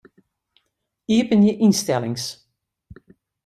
Iepenje ynstellings.